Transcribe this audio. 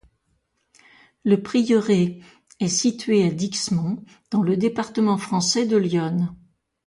Le prieuré est situé à Dixmont dans le département français de l'Yonne.